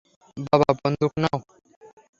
বাবা, বন্দুক নাও।